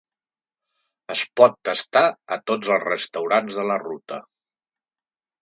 Es pot tastar a tots els restaurants de la ruta.